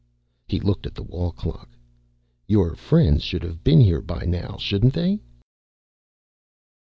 He looked at the wall clock. "Your friends should have been here by now, shouldn't they?"